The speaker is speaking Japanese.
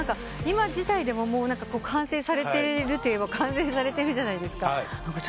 今自体でも完成されてるといえば完成されてるじゃないですか。